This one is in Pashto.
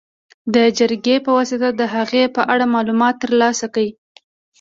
د جرګې په واسطه د هغې په اړه معلومات تر لاسه کړي.